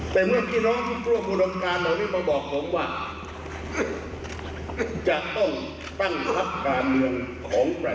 แต่เมื่อพี่น้องทุกบุรการมาบอกผมว่า